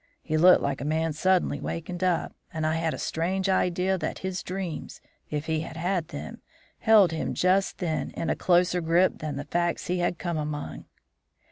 He looked like a man suddenly wakened up, and I had a strange idea that his dreams, if he had had them, held him just then in a closer grip than the facts he had come among.